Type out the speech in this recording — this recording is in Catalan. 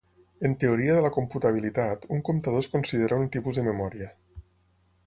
En teoria de la computabilitat, un comptador es considera un tipus de memòria.